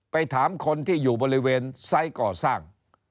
ไปถามคนที่อยู่บริเวณไซส์ก่อสร้าง